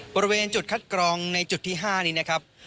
บริเวณจุดคัดกรองในจุดที่๕นี้นะครับ